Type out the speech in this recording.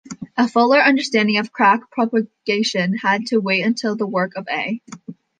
A fuller understanding of crack propagation had to wait until the work of A.